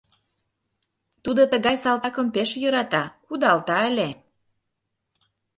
Тудо тыгай салтакым пеш йӧрата: кудалта ыле...